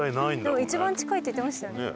でも一番近いって言ってましたよね。